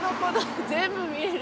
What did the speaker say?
全部見える。